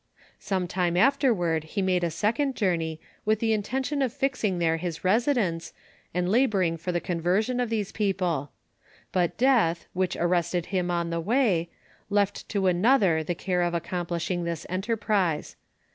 Some time afterward he made a second journey, with tlie intention of fixing there his residence, and laboring for the conversion of these people ; but death, which arrested him on the way, left to another the care of accom plishing this enterprise.